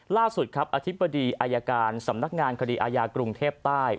ล่าสุดครับอธิบดีอายการสำนักงานคดีอาญากรุงเทพใต้